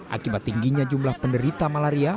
akibat tingginya jumlah penderita malaria